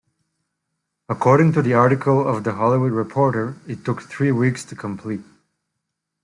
According to an article of "The Hollywood Reporter", it took three weeks to complete.